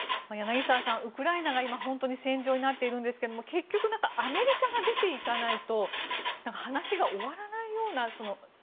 柳澤さん、ウクライナが今本当に戦場になっているんですが結局、アメリカが出て行かないと話が終わらないような。